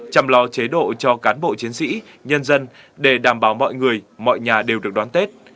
chăm lo chế độ cho cán bộ chiến sĩ nhân dân để đảm bảo mọi người mọi nhà đều được đón tết